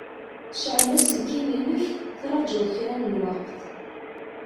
Cɛel aselkim-inek, traǧuḍ kra n lweqt!